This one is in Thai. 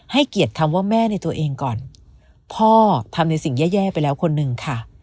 เกียรติคำว่าแม่ในตัวเองก่อนพ่อทำในสิ่งแย่แย่ไปแล้วคนหนึ่งค่ะ